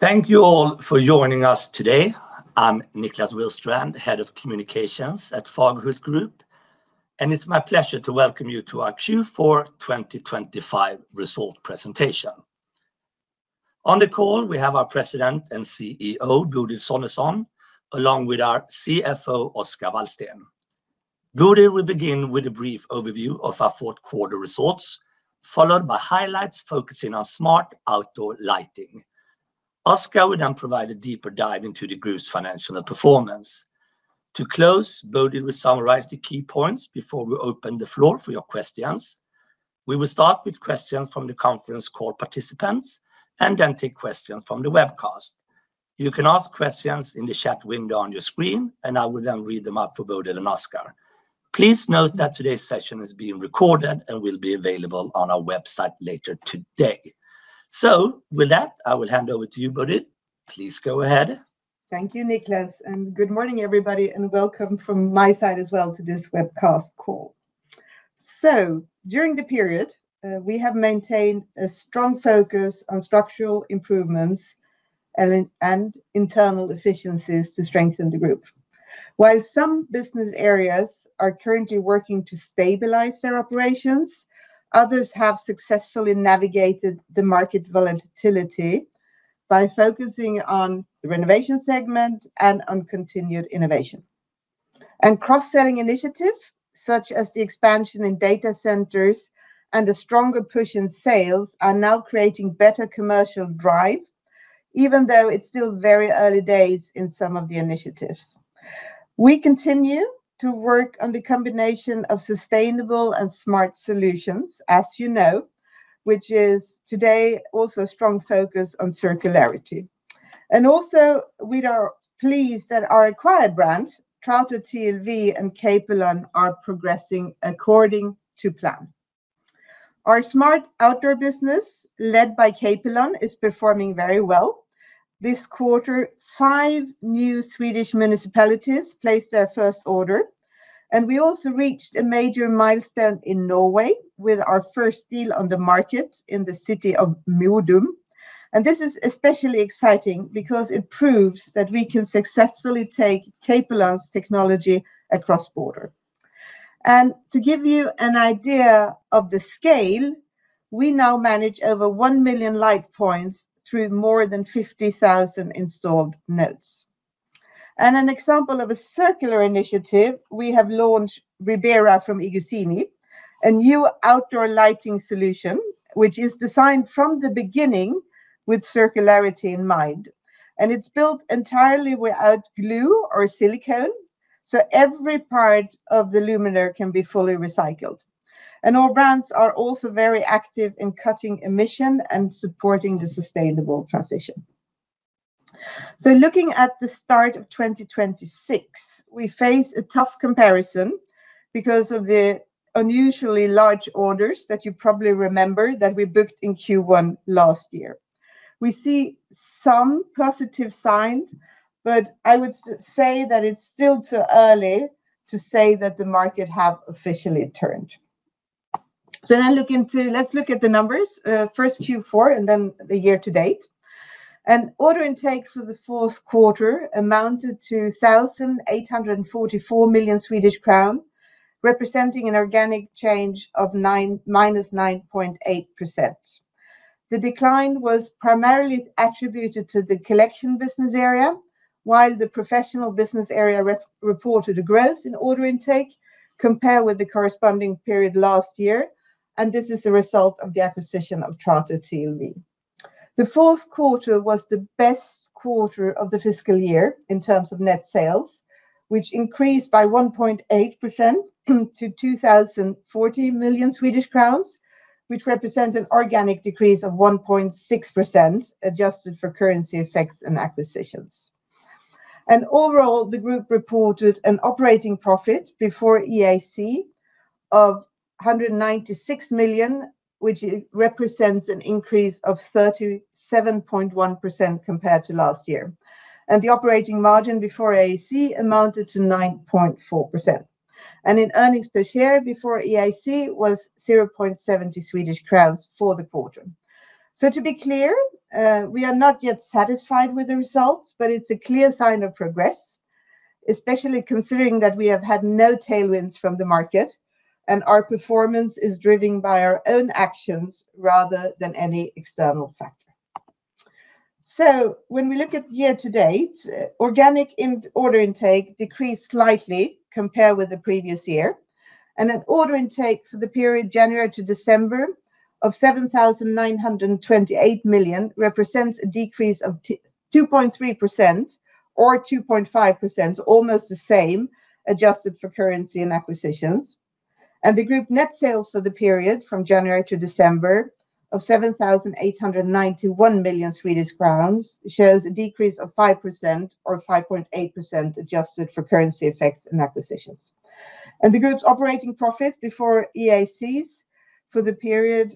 Thank you all for joining us today. I'm Niklas Willstrand, Head of Communications at Fagerhult Group, and it's my pleasure to welcome you to our Q4 2025 result presentation. On the call, we have our President and CEO, Bodil Sonesson, along with our CFO, Oscar Wallstén. Bodil will begin with a brief overview of our fourth quarter results, followed by highlights focusing on smart outdoor lighting. Oscar will then provide a deeper dive into the group's financial performance. To close, Bodil will summarize the key points before we open the floor for your questions. We will start with questions from the conference call participants, and then take questions from the webcast. You can ask questions in the chat window on your screen, and I will then read them out for Bodil and Oscar. Please note that today's session is being recorded and will be available on our website later today. With that, I will hand over to you, Bodil. Please go ahead. Thank you, Niklas, and good morning, everybody, and welcome from my side as well to this webcast call. During the period, we have maintained a strong focus on structural improvements and internal efficiencies to strengthen the group. While some business areas are currently working to stabilize their operations, others have successfully navigated the market volatility by focusing on the renovation segment and on continued innovation. Cross-selling initiatives, such as the expansion in data centers and a stronger push in sales, are now creating better commercial drive, even though it's still very early days in some of the initiatives. We continue to work on the combination of sustainable and smart solutions, as you know, which is today also a strong focus on circularity. We are pleased that our acquired brand, Trato TLV and Capelon, are progressing according to plan. Our smart outdoor business, led by Capelon, is performing very well. This quarter, five new Swedish municipalities placed their first order, and we also reached a major milestone in Norway with our first deal on the market in the city of Modum, and this is especially exciting because it proves that we can successfully take Capelon's technology across borders. To give you an idea of the scale, we now manage over 1 million light points through more than 50,000 installed nodes. An example of a circular initiative, we have launched Libera from iGuzzini, a new outdoor lighting solution, which is designed from the beginning with circularity in mind, and it's built entirely without glue or silicone, so every part of the luminaire can be fully recycled. All brands are also very active in cutting emissions and supporting the sustainable transition. So looking at the start of 2026, we face a tough comparison because of the unusually large orders that you probably remember that we booked in Q1 last year. We see some positive signs, but I would say that it's still too early to say that the market have officially turned. So now look into... Let's look at the numbers, first Q4, and then the year to date. An order intake for the fourth quarter amounted to 1,844 million Swedish crown, representing an organic change of -9.8%. The decline was primarily attributed to the Collection Business Area, while the Professional Business Area reported a growth in order intake compared with the corresponding period last year, and this is a result of the acquisition of Trato TLV. The fourth quarter was the best quarter of the fiscal year in terms of net sales, which increased by 1.8% to 2,040 million Swedish crowns, which represent an organic decrease of 1.6%, Adjusted for Currency Effects and Acquisitions. Overall, the group reported an operating profit before IAC of 196 million, which represents an increase of 37.1% compared to last year, and the operating margin before IAC amounted to 9.4%. In Earnings Per Share, before IAC was 0.70 Swedish crowns for the quarter. So to be clear, we are not yet satisfied with the results, but it's a clear sign of progress, especially considering that we have had no tailwinds from the market, and our performance is driven by our own actions rather than any external factor. So when we look at year to date, organic order intake decreased slightly compared with the previous year, and an order intake for the period January to December of 7,928 million represents a decrease of2.3% or 2.5%, almost the same, Adjusted for Currency and Acquisitions. The group net sales for the period from January to December of 7,891 million Swedish crowns shows a decrease of 5%t or 5.8%, Adjusted for Currency Effects and Acquisitions. The group's operating profit before IACs for the period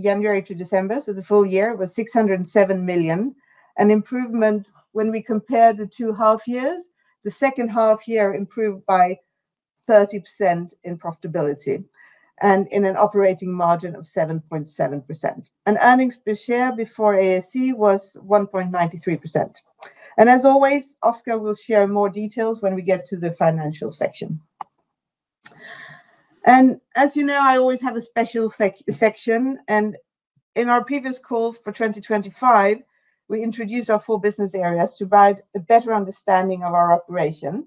January to December, so the full year, was 607 million. An improvement when we compare the two half years, the second half year improved by 30% in profitability and in an operating margin of 7.7%. Earnings Per Share before IAC was 1.93%. As always, Oscar will share more details when we get to the financial section. As you know, I always have a special section, and in our previous calls for 2025, we introduced our four business areas to provide a better understanding of our operation.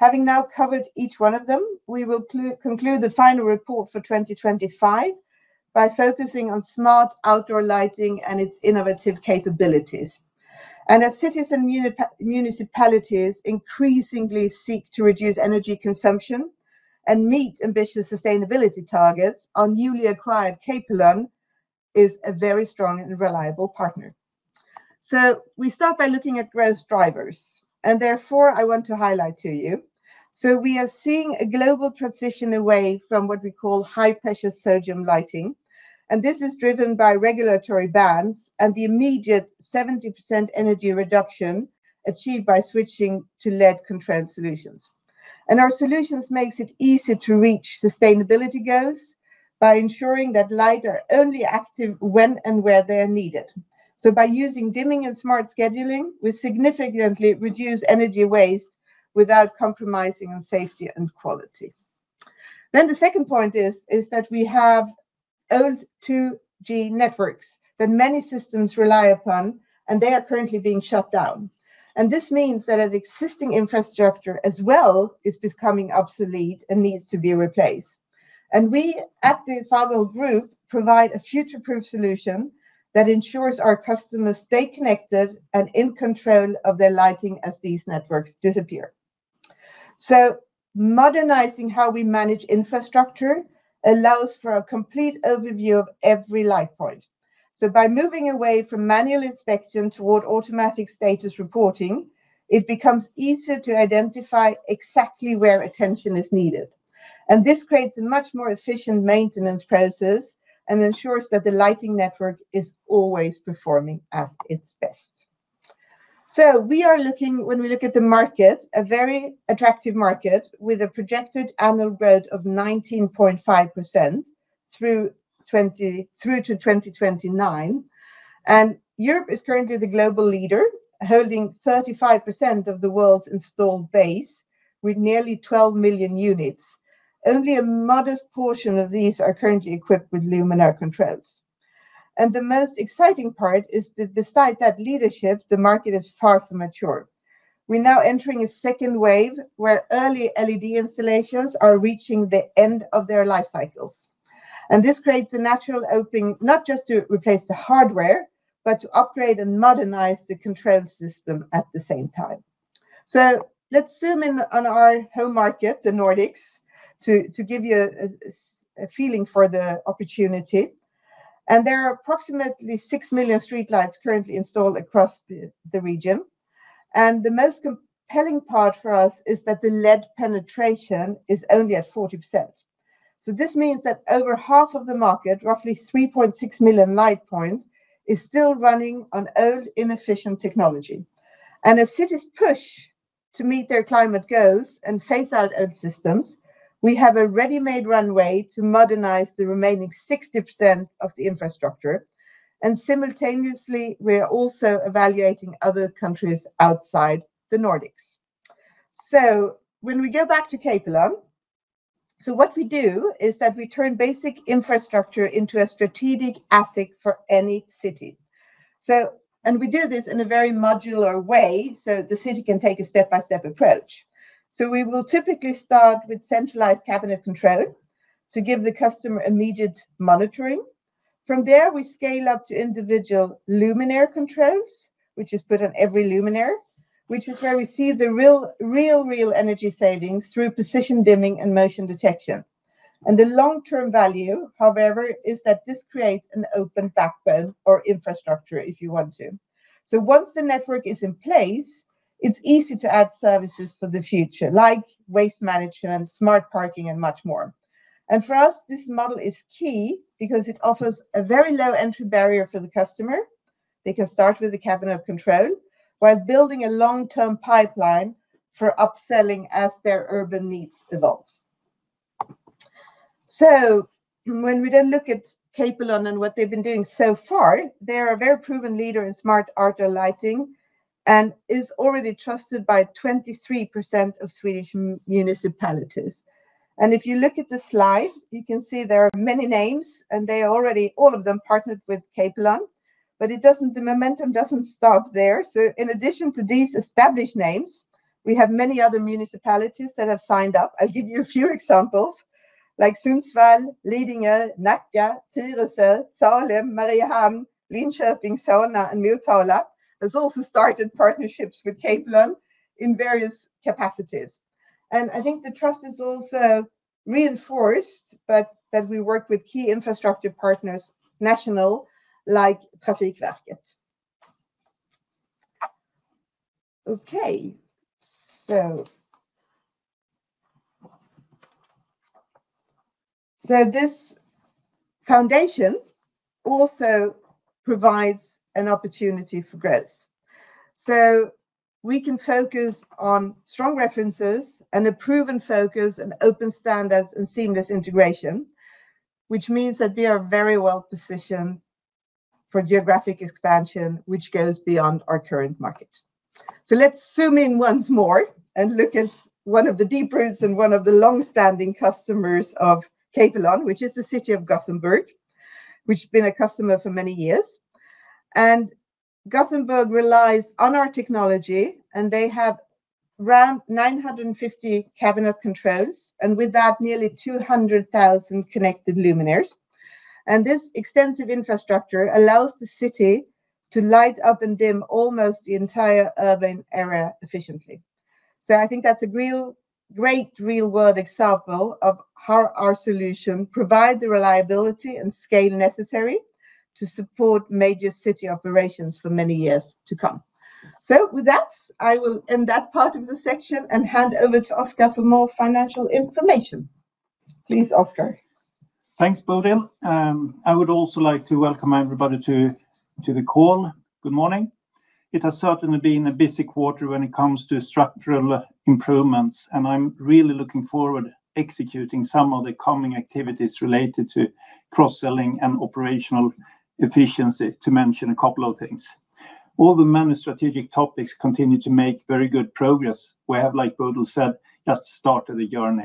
Having now covered each one of them, we will conclude the final report for 2025 by focusing on smart outdoor lighting and its innovative capabilities. As cities and municipalities increasingly seek to reduce energy consumption and meet ambitious sustainability targets, our newly acquired Capelon is a very strong and reliable partner. So we start by looking at growth drivers, and therefore, I want to highlight to you. So we are seeing a global transition away from what we call high-pressure sodium lighting, and this is driven by regulatory bans and the immediate 70% energy reduction achieved by switching to LED control solutions. Our solutions makes it easy to reach sustainability goals by ensuring that light are only active when and where they are needed. By using dimming and smart scheduling, we significantly reduce energy waste without compromising on safety and quality. The second point is that we have old 2G networks that many systems rely upon, and they are currently being shut down. This means that an existing infrastructure as well is becoming obsolete and needs to be replaced. We, at the Fagerhult Group, provide a future-proof solution that ensures our customers stay connected and in control of their lighting as these networks disappear. So modernizing how we manage infrastructure allows for a complete overview of every light point. So by moving away from manual inspection toward automatic status reporting, it becomes easier to identify exactly where attention is needed. And this creates a much more efficient maintenance process and ensures that the lighting network is always performing at its best. So we are looking, when we look at the market, a very attractive market with a projected annual growth of 19.5% through to 2029, and Europe is currently the global leader, holding 35% of the world's installed base with nearly 12 million units. Only a modest portion of these are currently equipped with luminaire controls. And the most exciting part is that despite that leadership, the market is far from mature. We're now entering a second wave where early LED installations are reaching the end of their life cycles, and this creates a natural opening, not just to replace the hardware, but to upgrade and modernize the control system at the same time. So let's zoom in on our home market, the Nordics, to give you a feeling for the opportunity. And there are approximately 6 million streetlights currently installed across the region, and the most compelling part for us is that the LED penetration is only at 40%. So this means that over half of the market, roughly 3.6 million light point, is still running on old, inefficient technology. As cities push to meet their climate goals and phase out old systems, we have a ready-made runway to modernize the remaining 60% of the infrastructure, and simultaneously, we are also evaluating other countries outside the Nordics. So when we go back to Capelon, so what we do is that we turn basic infrastructure into a strategic asset for any city. So... And we do this in a very modular way, so the city can take a step-by-step approach. So we will typically start with centralized cabinet control to give the customer immediate monitoring. From there, we scale up to individual luminaire controls, which is put on every luminaire, which is where we see the real, real, real energy savings through position dimming and motion detection. And the long-term value, however, is that this creates an open backbone or infrastructure if you want to. So once the network is in place, it's easy to add services for the future, like waste management, smart parking, and much more. For us, this model is key because it offers a very low entry barrier for the customer. They can start with the cabinet of control while building a long-term pipeline for upselling as their urban needs evolve. When we then look at Capelon and what they've been doing so far, they are a very proven leader in smart outdoor lighting and is already trusted by 23% of Swedish municipalities. If you look at the slide, you can see there are many names, and they are already, all of them, partnered with Capelon, but the momentum doesn't stop there. In addition to these established names, we have many other municipalities that have signed up. I'll give you a few examples, like Sundsvall, Lidingö, Nacka, Tyresö, Salem, Mariehamn, Linköping, Solna, and Motala, has also started partnerships with Capelon in various capacities. And I think the trust is also reinforced, but that we work with key infrastructure partners, national, like Trafikverket. Okay, so this foundation also provides an opportunity for growth. So we can focus on strong references and a proven focus and open standards and seamless integration, which means that we are very well positioned for geographic expansion, which goes beyond our current market. So let's zoom in once more and look at one of the deep roots and one of the long-standing customers of Capelon, which is the city of Gothenburg, which has been a customer for many years. Gothenburg relies on our technology, and they have around 950 cabinet controls, and with that, nearly 200,000 connected luminaires. This extensive infrastructure allows the city to light up and dim almost the entire urban area efficiently. I think that's a real, great real-world example of how our solution provide the reliability and scale necessary to support major city operations for many years to come. With that, I will end that part of the section and hand over to Oscar for more financial information. Please, Oscar. Thanks, Bodil. I would also like to welcome everybody to the call. Good morning. It has certainly been a busy quarter when it comes to structural improvements, and I'm really looking forward to executing some of the coming activities related to cross-selling and operational efficiency, to mention a couple of things. All the many strategic topics continue to make very good progress. We have, like Bodil said, just started the journey.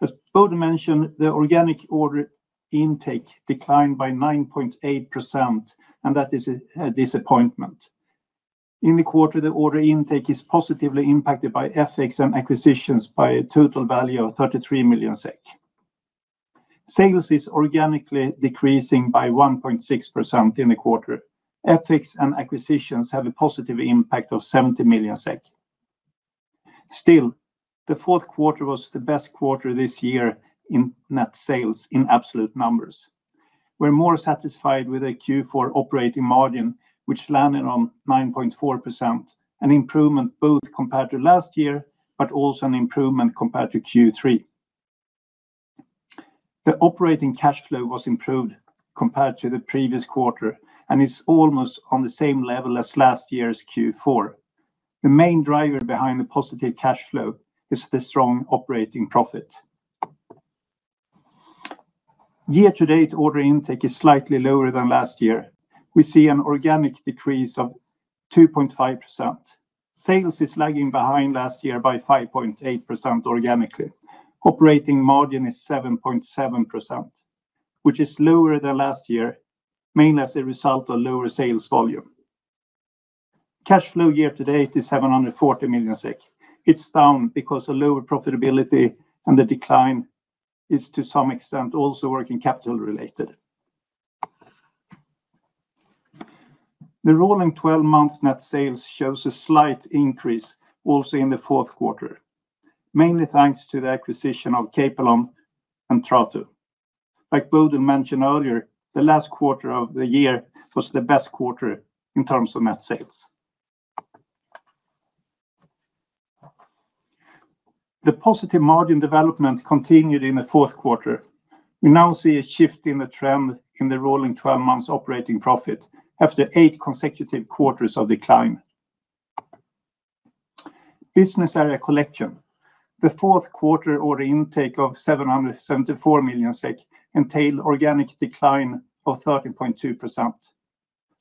As Bodil mentioned, the organic order intake declined by 9.8%, and that is a disappointment. In the quarter, the order intake is positively impacted by FX and acquisitions by a total value of 33 million SEK. Sales is organically decreasing by 1.6% in the quarter. FX and acquisitions have a positive impact of 70 million SEK. Still, the fourth quarter was the best quarter this year in net sales in absolute numbers. We're more satisfied with the Q4 operating margin, which landed on 9.4%, an improvement both compared to last year, but also an improvement compared to Q3. The operating cash flow was improved compared to the previous quarter and is almost on the same level as last year's Q4. The main driver behind the positive cash flow is the strong operating profit. Year-to-date order intake is slightly lower than last year. We see an organic decrease of 2.5%. Sales is lagging behind last year by 5.8% organically. Operating margin is 7.7%, which is lower than last year, mainly as a result of lower sales volume. Cash flow year-to-date is 740 million SEK. It's down because of lower profitability, and the decline is, to some extent, also working capital related. The rolling 12-month net sales shows a slight increase also in the fourth quarter, mainly thanks to the acquisition of Capelon and Trato. Like Bodil mentioned earlier, the last quarter of the year was the best quarter in terms of net sales. The positive margin development continued in the fourth quarter. We now see a shift in the trend in the rolling 12 months operating profit after eight consecutive quarters of decline. Business Area Collection. The fourth quarter order intake of 774 million SEK entail organic decline of 13.2%.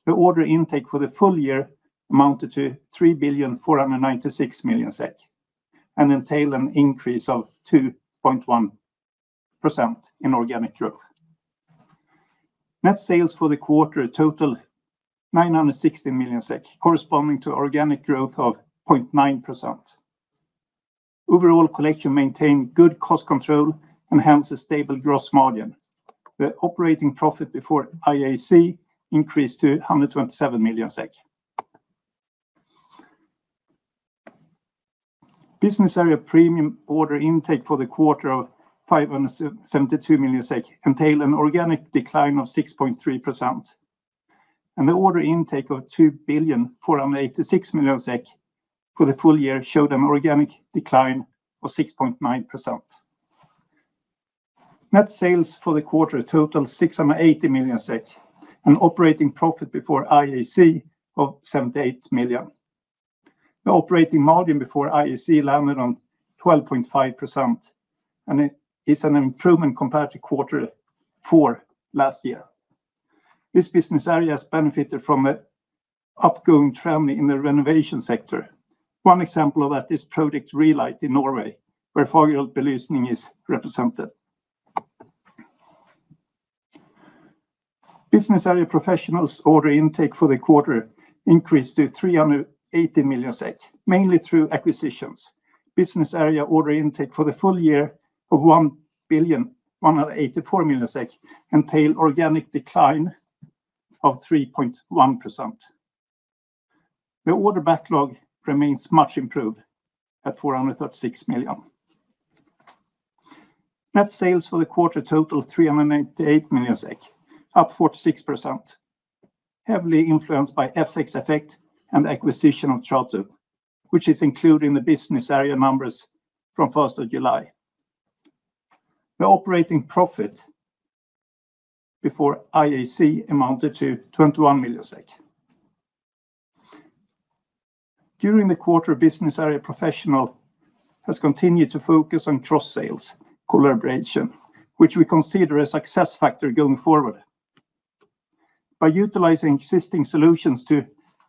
The order intake for the full year amounted to 3,496 million SEK, and entail an increase of 2.1% in organic growth. Net sales for the quarter total 960 million SEK, corresponding to organic growth of 0.9%. Overall collection maintained good cost control and hence a stable gross margin. The operating profit before IAC increased to SEK 127 million. Business Area Premium order intake for the quarter of 572 million SEK entail an organic decline of 6.3%, and the order intake of 2,486 million SEK for the full year showed an organic decline of 6.9%. Net sales for the quarter total 680 million SEK, an operating profit before IAC of 78 million. The operating margin before IAC landed on 12.5%, and it is an improvement compared to quarter four last year. This business area has benefited from the upcoming trend in the renovation sector. One example of that is product Relight in Norway, where Fagerhult Belysning is represented. Business area professionals' order intake for the quarter increased to 380 million SEK, mainly through acquisitions. Business area order intake for the full year of 1,184 million SEK entail organic decline of 3.1%. The order backlog remains much improved at 436 million. Net sales for the quarter total 388 million SEK, up 46% heavily influenced by FX effect and acquisition of Trato, which is included in the business area numbers from first of July. The operating profit before IAC amounted to 21 million SEK. During the quarter, Professional business area has continued to focus on cross-selling collaboration, which we consider a success factor going forward. By utilizing existing solutions to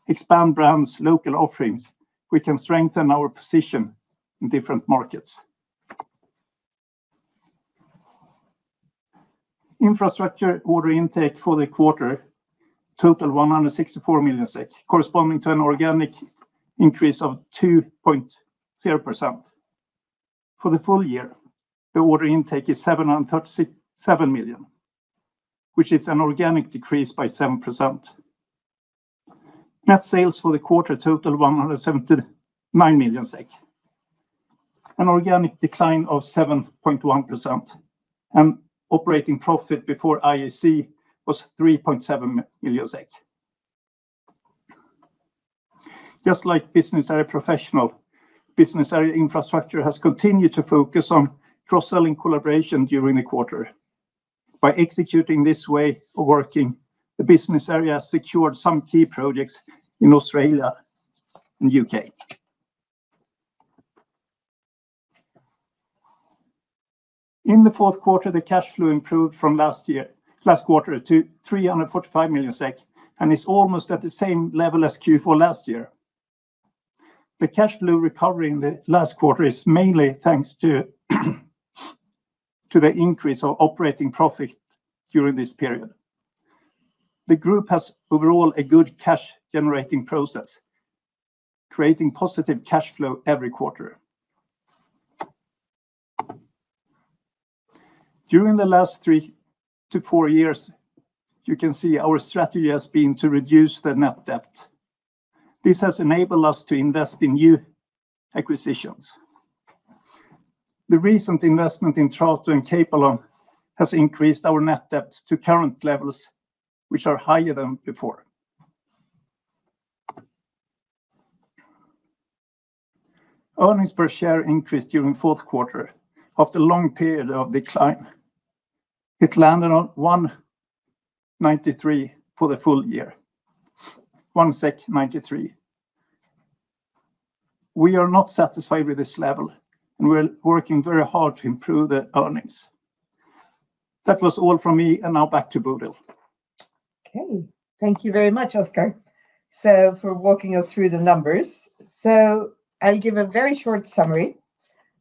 expand brands' local offerings, we can strengthen our position in different markets. Infrastructure order intake for the quarter totaled 164 million SEK, corresponding to an organic increase of 2.0%. For the full year, the order intake is 737 million, which is an organic decrease by 7%. Net sales for the quarter totaled 179 million SEK, an organic decline of 7.1%, and operating profit before IAC was SEK 3.7 million. Just like Professional business area, Infrastructure Business Area has continued to focus on cross-selling collaboration during the quarter. By executing this way of working, the business area has secured some key projects in Australia and U.K.. In the fourth quarter, the cash flow improved from last year, last quarter to 345 million SEK, and is almost at the same level as Q4 last year. The cash flow recovery in the last quarter is mainly thanks to, to the increase of operating profit during this period. The group has overall a good cash-generating process, creating positive cash flow every quarter. During the last three-four years, you can see our strategy has been to reduce the net debt. This has enabled us to invest in new acquisitions. The recent investment in Trato TLV Group and Capelon has increased our net debt to current levels, which are higher than before. Earnings per share increased during fourth quarter after long period of decline. It landed on 1.93 for the full year, 1.93 SEK. We are not satisfied with this level, and we're working very hard to improve the earnings. That was all from me, and now back to Bodil. Okay, thank you very much, Oscar, so for walking us through the numbers. So I'll give a very short summary.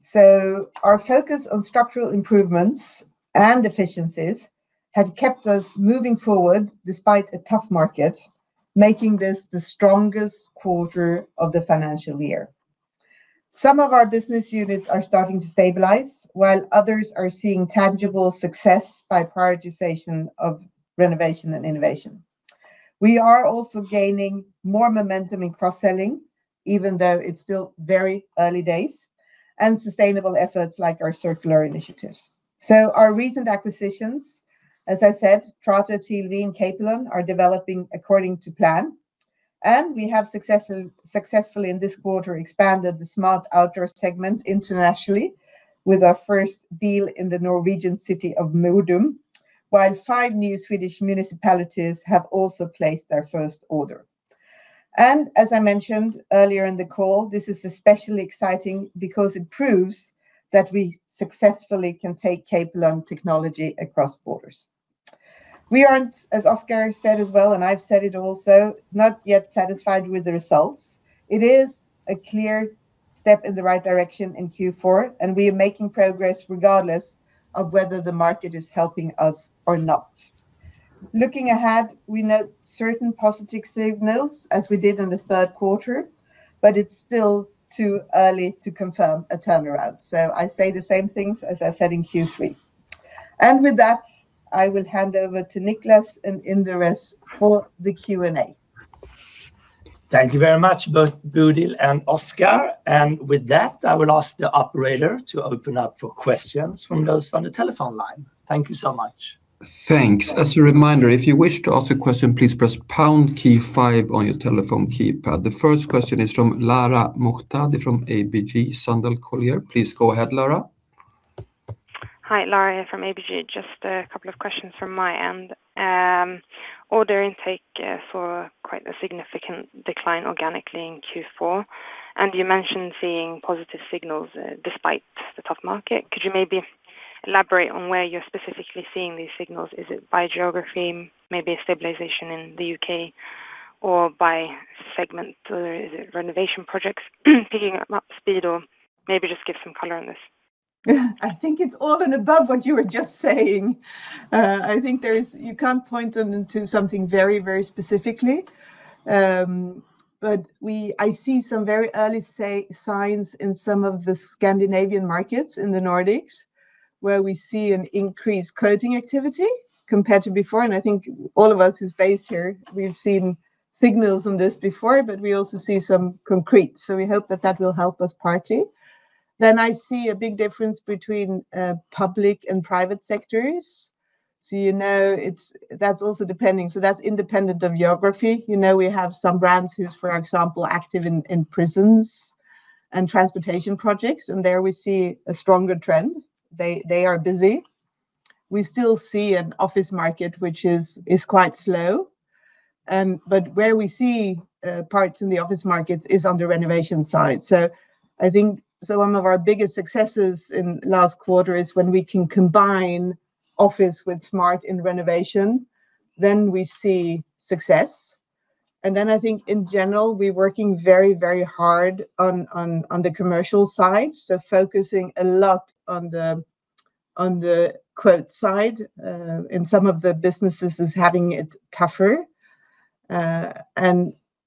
So our focus on structural improvements and efficiencies have kept us moving forward despite a tough market, making this the strongest quarter of the financial year. Some of our business units are starting to stabilize, while others are seeing tangible success by prioritization of renovation and innovation. We are also gaining more momentum in cross-selling, even though it's still very early days, and sustainable efforts like our circular initiatives. So our recent acquisitions, as I said, Trato, TLV, and Capelon, are developing according to plan, and we have successfully in this quarter expanded the smart outdoor segment internationally with our first deal in the Norwegian city of Modum, while five new Swedish municipalities have also placed their first order. As I mentioned earlier in the call, this is especially exciting because it proves that we successfully can take Capelon technology across borders. We aren't, as Oscar said as well, and I've said it also, not yet satisfied with the results. It is a clear step in the right direction in Q4, and we are making progress regardless of whether the market is helping us or not. Looking ahead, we note certain positive signals, as we did in the third quarter, but it's still too early to confirm a turnaround. I say the same things as I said in Q3. With that, I will hand over to Niklas and Inderes for the Q&A. Thank you very much, both Bodil and Oscar, and with that, I will ask the operator to open up for questions from those on the telephone line. Thank you so much. Thanks. As a reminder, if you wish to ask a question, please press pound key five on your telephone keypad. The first question is from Lara Mohtadi from ABG Sundal Collier. Please go ahead, Lara. Hi, Lara here from ABG. Just a couple of questions from my end. Order intake saw quite a significant decline organically in Q4, and you mentioned seeing positive signals despite the tough market. Could you maybe elaborate on where you're specifically seeing these signals? Is it by geography, maybe a stabilization in the U.K., or by segment, or is it renovation projects picking up speed? Or maybe just give some color on this. Yeah, I think it's all and above what you were just saying. I think there is... You can't point to something very, very specifically, but I see some very early signs in some of the Scandinavian markets in the Nordics, where we see an increased quoting activity compared to before. And I think all of us who's based here, we've seen signals on this before, but we also see some concrete, so we hope that that will help us partly. ... Then I see a big difference between public and private sectors. So, you know, it's that that's also depending, so that's independent of geography. You know, we have some brands who's, for example, active in prisons and transportation projects, and there we see a stronger trend. They, they are busy. We still see an office market, which is quite slow. But where we see parts in the office markets is on the renovation side. So I think, so one of our biggest successes in last quarter is when we can combine office with smart and renovation, then we see success. And then I think in general, we're working very, very hard on the commercial side, so focusing a lot on the quote side, and some of the businesses is having it tougher.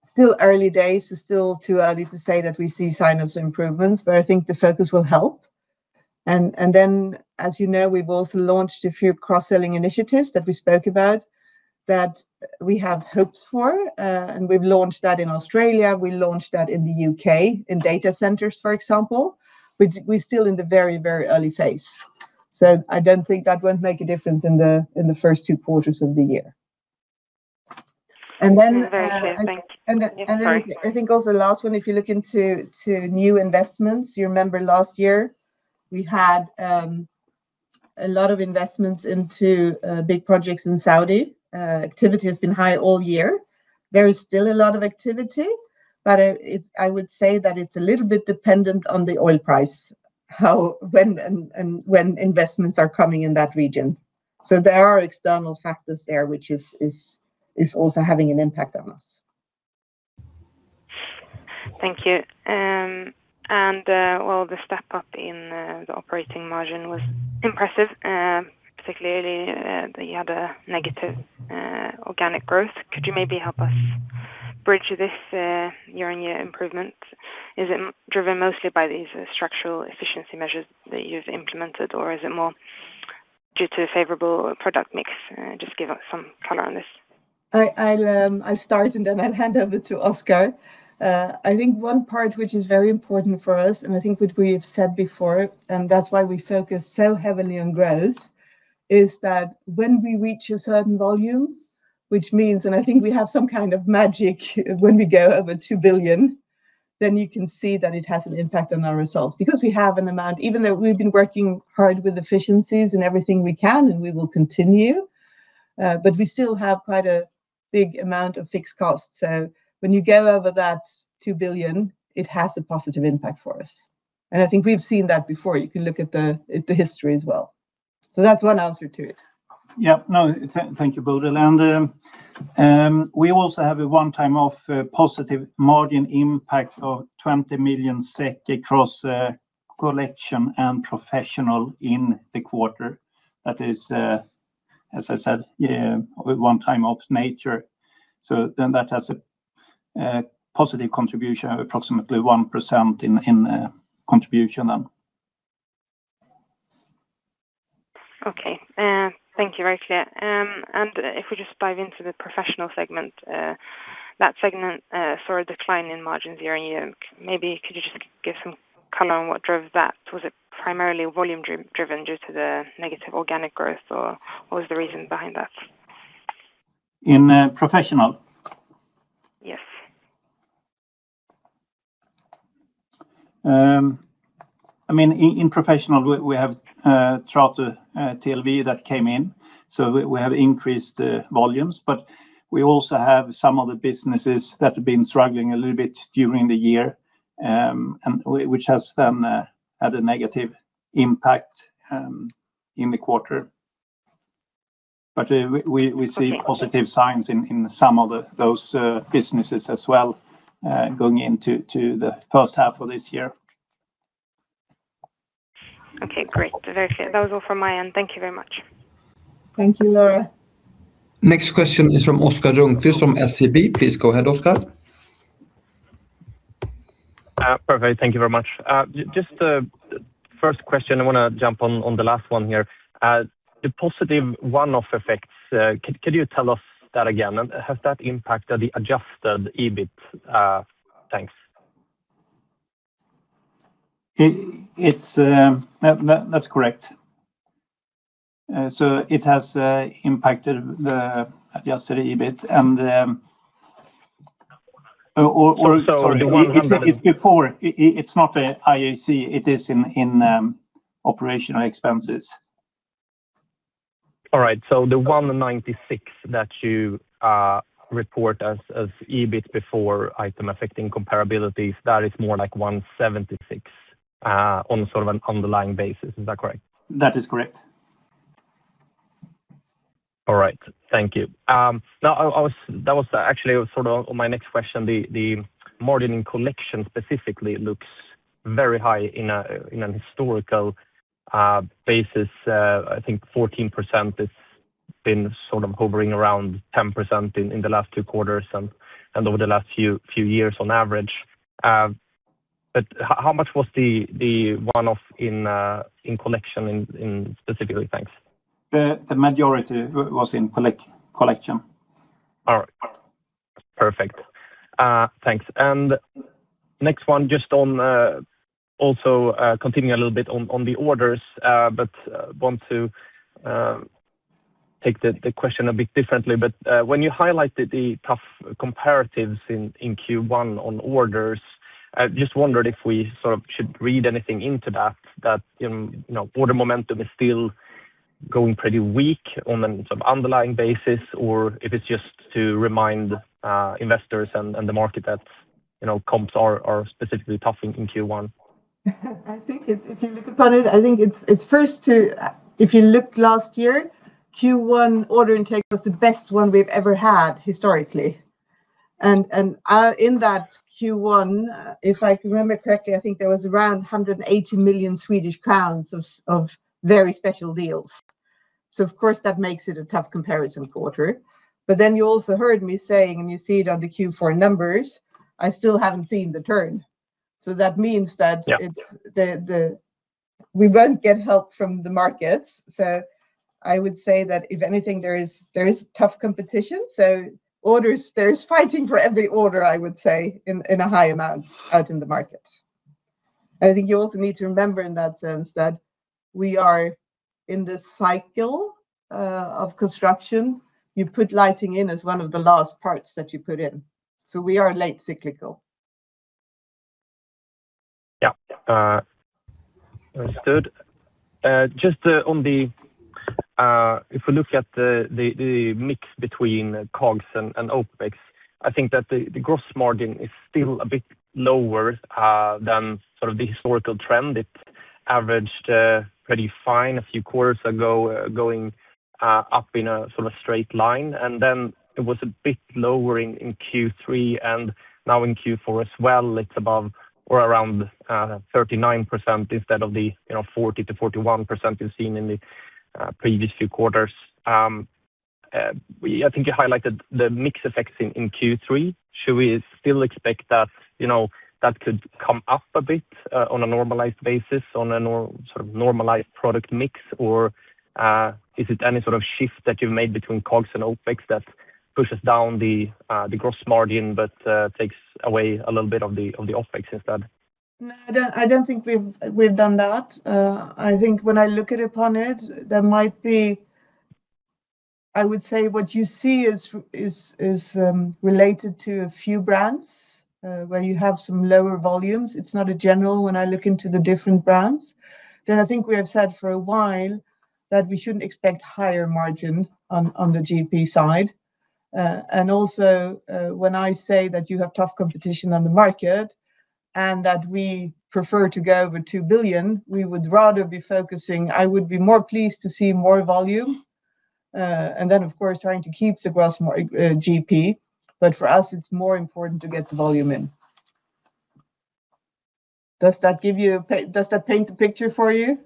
Still early days, it's still too early to say that we see signs of improvements, but I think the focus will help. And then, as you know, we've also launched a few cross-selling initiatives that we spoke about, that we have hopes for, and we've launched that in Australia, we launched that in the U.K., in data centers, for example. But we're still in the very, very early phase. So I don't think that won't make a difference in the first two quarters of the year. And then- Very clear. Thank you. I think also the last one, if you look into new investments, you remember last year, we had a lot of investments into big projects in Saudi. Activity has been high all year. There is still a lot of activity, but it's a little bit dependent on the oil price, how and when investments are coming in that region. So there are external factors there, which is also having an impact on us. Thank you. And, well, the step up in, the operating margin was impressive, particularly, you had a negative, organic growth. Could you maybe help us bridge this, year-on-year improvement? Is it driven mostly by these structural efficiency measures that you've implemented, or is it more due to a favorable product mix? Just give us some color on this. I'll start, and then I'll hand over to Oscar. I think one part which is very important for us, and I think what we have said before, and that's why we focus so heavily on growth, is that when we reach a certain volume, which means, and I think we have some kind of magic when we go over 2 billion, then you can see that it has an impact on our results. Because we have an amount, even though we've been working hard with efficiencies and everything we can, and we will continue, but we still have quite a big amount of fixed costs. So when you go over that 2 billion, it has a positive impact for us. And I think we've seen that before. You can look at the history as well. So that's one answer to it. Yeah. No, thank you, Bodil. We also have a one-time off positive margin impact of 20 million SEK across collection and professional in the quarter. That is, as I said, one time off nature. So then that has a positive contribution of approximately 1% in contribution then. Okay, thank you. Very clear. And if we just dive into the professional segment, that segment saw a decline in margins year-on-year. Maybe could you just give some color on what drove that? Was it primarily volume driven due to the negative organic growth, or what was the reason behind that? In professional? Yes. I mean, in professional, we have Trato TLV that came in, so we have increased volumes, but we also have some of the businesses that have been struggling a little bit during the year, and which has then had a negative impact in the quarter. But we see positive signs in some of those businesses as well, going into the first half of this year. Okay, great. Very clear. That was all from my end. Thank you very much. Thank you, Lara. Next question is from Oscar Rönnkvist from SEB. Please go ahead, Oscar. Perfect. Thank you very much. Just the first question, I want to jump on, on the last one here. The positive one-off effects, could you tell us that again? And has that impacted the Adjusted EBIT? Thanks. It's... That's correct. So it has impacted the Adjusted EBIT and the, or- So the one- It's before. It's not IAC, it is in operational expenses. All right. So the 196 that you report as EBIT before items affecting comparability, that is more like 176 on sort of an underlying basis. Is that correct? That is correct. All right. Thank you. Now, I was—that was actually sort of my next question: the margin collection specifically looks very high in an historical basis. I think 14%, it's been sort of hovering around 10% in the last two quarters and over the last few years on average. But how much was the one-off in collection in specifically? Thanks. The majority was in Collection. All right. Perfect. Thanks. And next one, just on also, continuing a little bit on the orders, but want to take the question a bit differently. But when you highlighted the tough comparatives in Q1 on orders, I just wondered if we sort of should read anything into that, you know, order momentum is still going pretty weak on some underlying basis, or if it's just to remind investors and the market that, you know, comps are specifically tough in Q1? I think if, if you look upon it, I think it's, it's first to if you looked last year, Q1 order intake was the best one we've ever had historically. And, and in that Q1, if I can remember correctly, I think there was around 180 million Swedish crowns of very special deals. So of course, that makes it a tough comparison quarter. But then you also heard me saying, and you see it on the Q4 numbers, I still haven't seen the turn. So that means that- Yeah... it's the we won't get help from the markets. So I would say that if anything, there is tough competition, so orders there is fighting for every order, I would say, in a high amount out in the market. I think you also need to remember in that sense, that we are in this cycle of construction. You put lighting in as one of the last parts that you put in, so we are a late cyclical. Yeah. Understood. Just on the mix between COGS and OpEx, I think that the gross margin is still a bit lower than sort of the historical trend. It averaged pretty fine a few quarters ago, going up in a sort of straight line, and then it was a bit lower in Q3, and now in Q4 as well. It's above or around 39% instead of the, you know, 40%-41% you've seen in the previous few quarters. I think you highlighted the mix effects in Q3. Should we still expect that, you know, that could come up a bit on a normalized basis, on a sort of normalized product mix? Or, is it any sort of shift that you've made between COGS and OpEx that pushes down the gross margin, but takes away a little bit of the OpEx instead? No, I don't think we've done that. I think when I look upon it, there might be... I would say what you see is related to a few brands, where you have some lower volumes. It's not a general, when I look into the different brands. Then I think we have said for a while, that we shouldn't expect higher margin on the GP side. And also, when I say that you have tough competition on the market, and that we prefer to go over 2 billion, we would rather be focusing- I would be more pleased to see more volume, and then, of course, trying to keep the gross mar- GP, but for us it's more important to get the volume in. Does that give you a pic- does that paint a picture for you?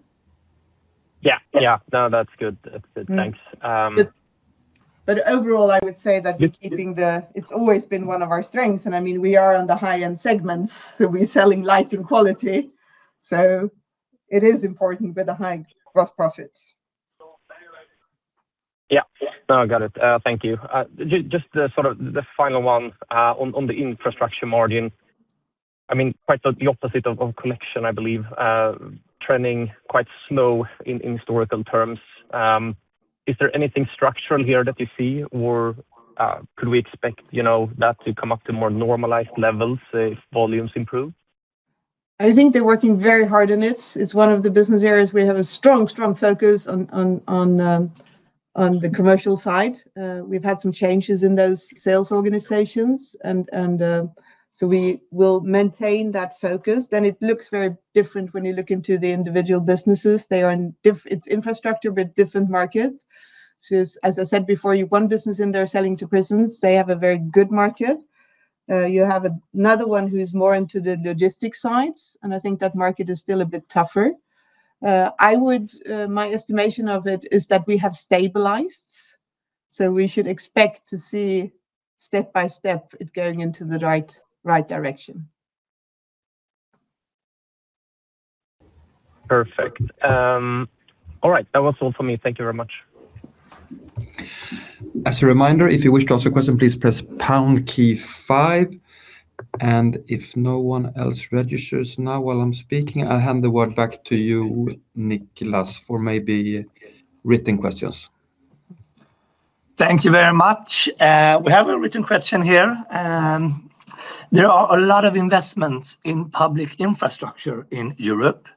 Yeah, yeah. No, that's good. That's it. Mm. Thanks. Um- But overall, I would say that- Yeah... we're keeping the, it's always been one of our strengths, and I mean, we are on the high-end segments, so we're selling lighting quality. So it is important with a high gross profit. So very right. Yeah. No, got it. Thank you. Just the sort of the final one on the infrastructure margin. I mean, quite the opposite of Collection, I believe, trending quite slow in historical terms. Is there anything structural here that you see? Or could we expect, you know, that to come up to more normalized levels if volumes improve? I think they're working very hard on it. It's one of the business areas we have a strong, strong focus on on the commercial side. We've had some changes in those sales organizations, and so we will maintain that focus. Then it looks very different when you look into the individual businesses. They are in it's infrastructure, but different markets. So as I said before, you've one business in there selling to prisons, they have a very good market. You have another one who is more into the logistic sides, and I think that market is still a bit tougher. My estimation of it is that we have stabilized, so we should expect to see step by step it going into the right direction. Perfect. All right. That was all for me. Thank you very much. As a reminder, if you wish to ask a question, please press pound key five, and if no one else registers now while I'm speaking, I'll hand the word back to you, Niklas, for maybe written questions. Thank you very much. We have a written question here: There are a lot of investments in public infrastructure in Europe.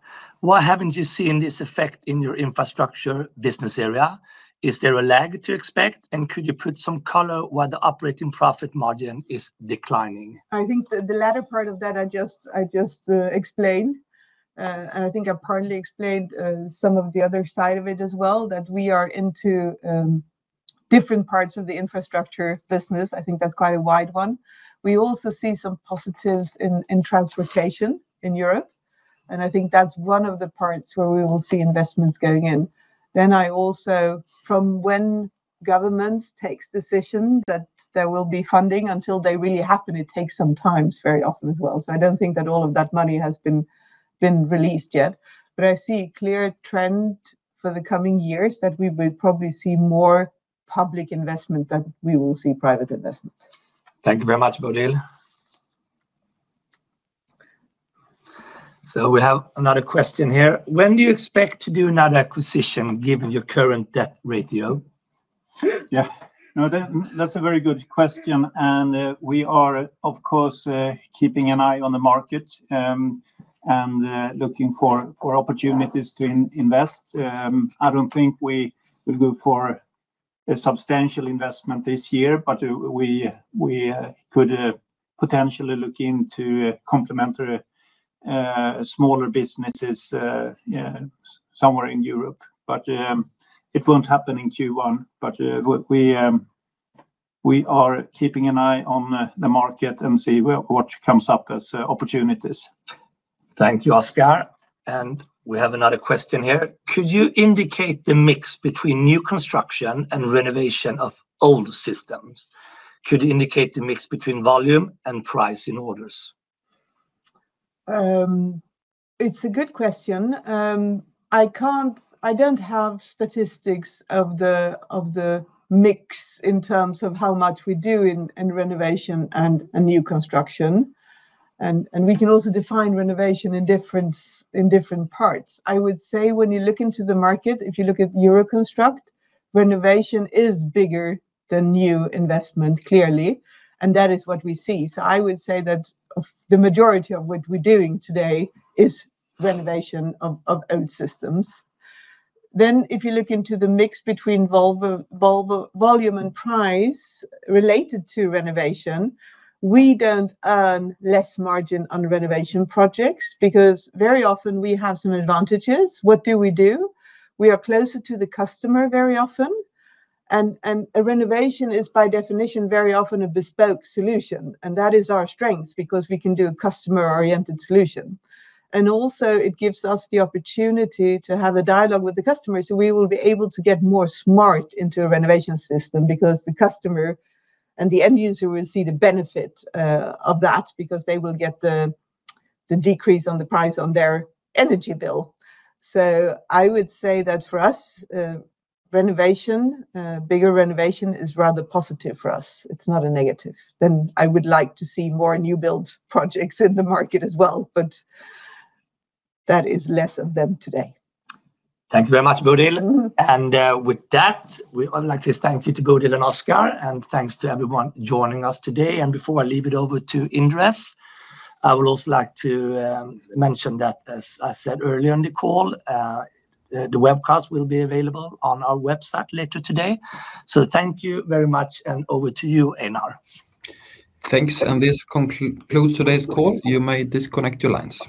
Why haven't you seen this effect in your infrastructure business area? Is there a lag to expect, and could you put some color why the Operating Profit Margin is declining? I think the latter part of that, I just explained. And I think I partly explained some of the other side of it as well, that we are into different parts of the infrastructure business. I think that's quite a wide one. We also see some positives in transportation in Europe, and I think that's one of the parts where we will see investments going in. Then I also, from when governments takes decision, that there will be funding until they really happen, it takes some times very often as well. So I don't think that all of that money has been released yet. But I see a clear trend for the coming years, that we will probably see more public investment than we will see private investment. Thank you very much, Bodil. So we have another question here: When do you expect to do another acquisition, given your current debt ratio? Yeah. No, that's a very good question, and we are, of course, keeping an eye on the market and looking for opportunities to invest. I don't think we will go for a substantial investment this year, but we could potentially look into a complementary smaller businesses, yeah, somewhere in Europe. But it won't happen in Q1. But we are keeping an eye on the market and see what comes up as opportunities. Thank you, Oscar. And we have another question here: Could you indicate the mix between new construction and renovation of old systems? Could you indicate the mix between volume and price in orders? It's a good question. I can't... I don't have statistics of the mix in terms of how much we do in renovation and new construction. And we can also define renovation in different parts. I would say when you look into the market, if you look at Euroconstruct, renovation is bigger than new investment, clearly, and that is what we see. So I would say that the majority of what we're doing today is renovation of old systems. Then, if you look into the mix between volume and price related to renovation, we don't earn less margin on renovation projects, because very often we have some advantages. What do we do? We are closer to the customer very often, and a renovation is, by definition, very often a bespoke solution, and that is our strength, because we can do a customer-oriented solution. And also, it gives us the opportunity to have a dialogue with the customer, so we will be able to get more smart into a renovation system, because the customer and the end user will see the benefit of that, because they will get the decrease on the price on their energy bill. So I would say that for us, renovation, bigger renovation is rather positive for us. It's not a negative. Then I would like to see more new build projects in the market as well, but that is less of them today. Thank you very much, Bodil. And, with that, we would like to thank you to Bodil and Oscar, and thanks to everyone joining us today. And before I leave it over to Indres, I would also like to mention that, as I said earlier in the call, the webcast will be available on our website later today. So thank you very much, and over to you, Einar. Thanks, and this concludes today's call. You may disconnect your lines.